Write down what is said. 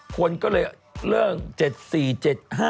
คนก็เลยเลิก๗๔๗๕